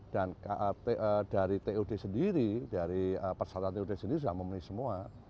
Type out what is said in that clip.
dan dari tud sendiri dari persatuan tud sendiri sudah memilih semua